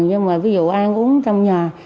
nhưng mà ví dụ ăn uống trong nhà